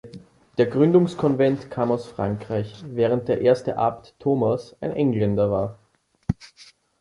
Der Gründungskonvent kam aus Frankreich, während der erste Abt, Thomas, ein Engländer war.